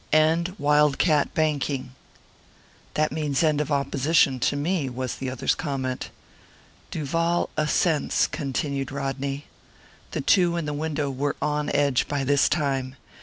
"End wildcat banking." "That means end of opposition to me," was the other's comment. "Duval assents," continued Rodney. The two in the window were on edge by this time.